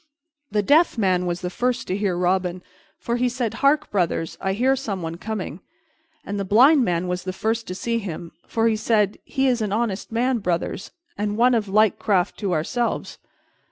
The deaf man was the first to hear Robin, for he said, "Hark, brothers, I hear someone coming." And the blind man was the first to see him, for he said, "He is an honest man, brothers, and one of like craft to ourselves."